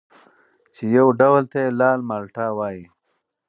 چې یو ډول ته یې لال مالټه وايي